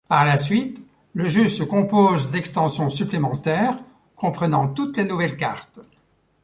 Par la suite, le jeu se compose d'extensions supplémentaires, comprenant toutes les nouvelles cartes.